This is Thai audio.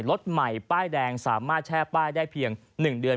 รถใหม่ป้ายแดงสามารถแช่ป้ายได้เพียง๑เดือน